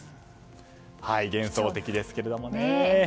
幻想的ですけどね。